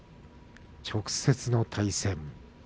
直接の対戦。